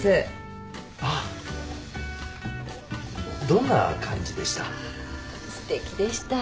どんな感じでした？